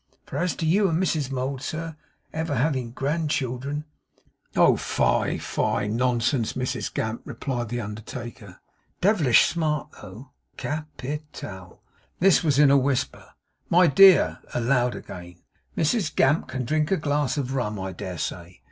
For as to you and Mrs Mould, sir, ever having grandchildren ' 'Oh! Fie, fie! Nonsense, Mrs Gamp,' replied the undertaker. 'Devilish smart, though. Ca pi tal!' this was in a whisper. 'My dear' aloud again 'Mrs Gamp can drink a glass of rum, I dare say.